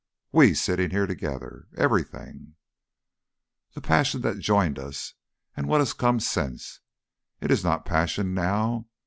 We, sitting here together. Everything ... "The passion that joined us, and what has come since. It is not passion now.